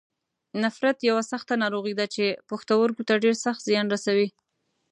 نفریت یوه سخته ناروغي ده چې پښتورګو ته ډېر سخت زیان رسوي.